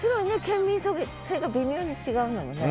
県民性が微妙に違うのもね。